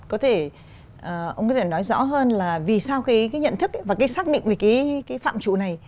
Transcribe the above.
có thể ông có thể nói rõ hơn là vì sao cái nhận thức và cái xác định về cái phạm trụ này